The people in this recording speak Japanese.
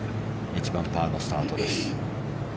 １番、パーのスタートです。